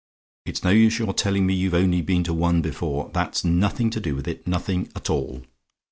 It's no use your telling me you've only been to one before; that's nothing to do with it nothing at all.